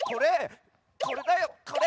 これだよこれ！